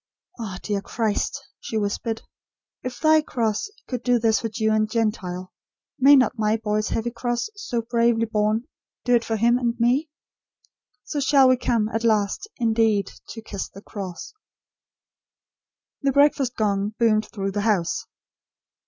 "Ah, dear Christ!" she whispered. "If Thy cross could do this for Jew and Gentile, may not my boy's heavy cross, so bravely borne, do it for him and for me? So shall we come at last, indeed, to 'kiss the cross.'" The breakfast gong boomed through the house.